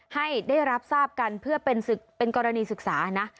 ให้ได้รับทราบกันเพื่อเป็นกรณีศึกษานะ